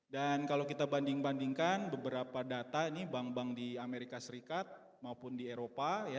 dan kalau kita banding bandingkan beberapa data ini bank bank di amerika serikat maupun di eropa